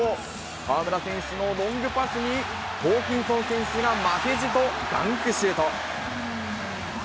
河村選手のロングパスに、ホーキンソン選手が負けじとダンクシュート。